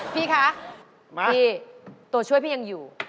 พี่คะพี่ตัวช่วยพี่ยังอยู่